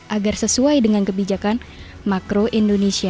agar sesuai dengan kebijakan makro indonesia